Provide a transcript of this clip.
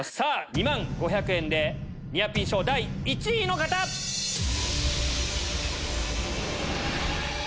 ２万５００円でニアピン賞第１位の方！イェイ！